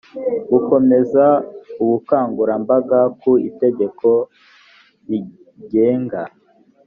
gukomeza ubukangurambaga ku itegeko rigenga